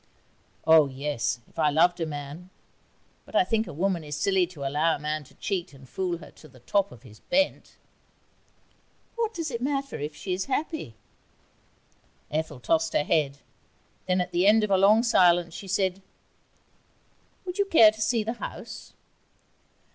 'Oh yes, if I loved a man.... But I think a woman is silly to allow a man to cheat and fool her to the top of his bent.' 'What does it matter if she is happy?' Ethel tossed her head. Then at the end of a long silence she said: 'Would you care to see the house?'